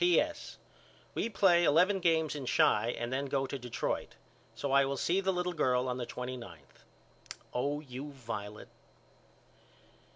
P.S. We play eleven games in Chi and then go to Detroit. So I will see the little girl on the twenty ninth. Oh you Violet.